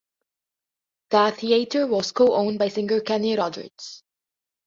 The theatre was co-owned by singer Kenny Rogers.